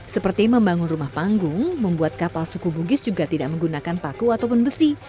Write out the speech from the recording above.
seperti membangun rumah panggung membuat kapal suku bugis juga tidak menggunakan paku ataupun besi